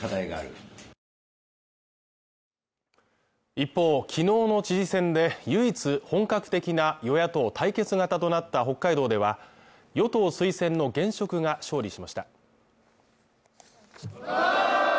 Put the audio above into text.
一方、昨日の知事選で唯一、本格的な与野党対決型となった北海道では与党推薦の現職が勝利しました。